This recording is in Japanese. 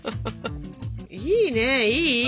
いいねいいいい。